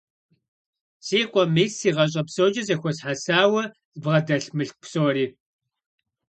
Си къуэ, мис си гъащӀэ псокӀэ зэхуэсхьэсауэ збгъэдэлъ мылъку псори.